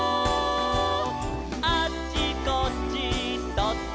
「あっちこっちそっち」